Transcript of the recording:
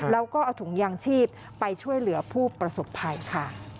แล้วก็เอาถุงยางชีพไปช่วยเหลือผู้ประสบภัยค่ะ